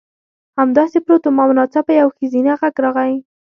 همداسې پروت وم او ناڅاپه یو ښځینه غږ راغی